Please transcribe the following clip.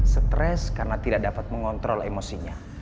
stres karena tidak dapat mengontrol emosinya